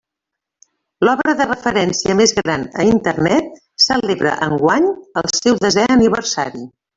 L'obra de referència més gran a Internet celebra enguany el seu desè aniversari.